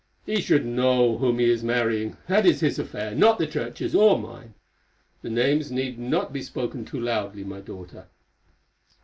"He should know whom he is marrying; that is his affair, not the Church's or mine. The names need not be spoken too loudly, my daughter."